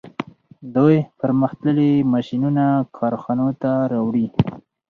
دوی پرمختللي ماشینونه کارخانو ته راوړي